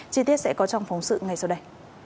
chi tiết sẽ có trong phóng sự ngay sau đây